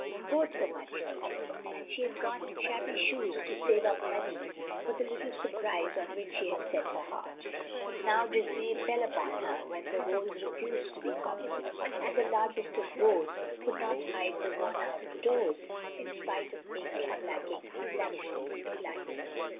Both were much needed, and she had gone in shabby shoes to save up money for the little surprise on which she had set her heart; but now dismay fell upon her when the holes refused to be cobbled, and the largest of bows would not hide the worn out toes in spite of ink and blacking lavishly applied.